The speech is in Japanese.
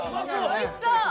おいしそう！